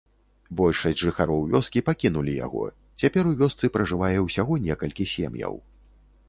Большасць жыхароў вёскі пакінулі яго, цяпер у вёсцы пражывае ўсяго некалькі сем'яў.